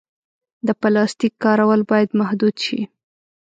د پلاسټیک کارول باید محدود شي.